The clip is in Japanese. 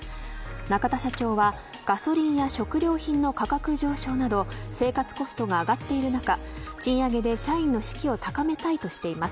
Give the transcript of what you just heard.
中田社長はガソリンや食料品の価格上昇など生活コストが上がっている中賃上げで社員の士気を高めたいとしています。